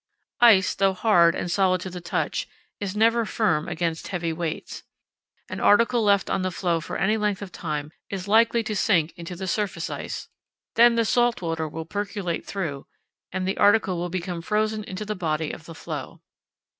Ice, though hard and solid to the touch, is never firm against heavy weights. An article left on the floe for any length of time is likely to sink into the surface ice. Then the salt water will percolate through and the article will become frozen into the body of the floe.